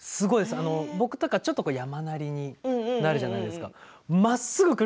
僕とかはちょっと球が山なりになるじゃないですか。